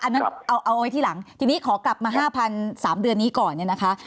อันนั้นเอาไว้ที่หลังทีนี้ขอกลับมา๕๐๐๓เดือนนี้ก่อนเนี่ยนะคะ